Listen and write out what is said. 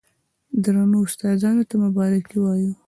درنو استادانو ته مبارکي وايو،